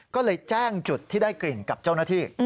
ก็เลยแจ้งจุดที่ได้กลิ่นกับเจ้าหน้าที่